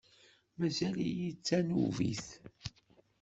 Mazal-iyi d tanubit.